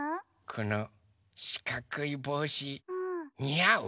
このしかくいぼうしにあう？